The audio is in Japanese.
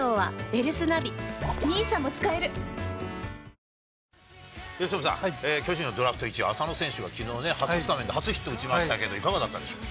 はぁ由伸さん、巨人のドラフト１位の浅野選手がきのう、初スタメンで、初ヒット打ちましたけど、いかがだったでしょう。